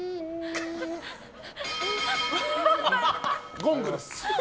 ゴングです。